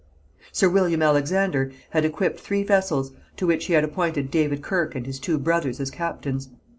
Sir William Alexander had equipped three vessels, to which he had appointed David Kirke and his two brothers as captains.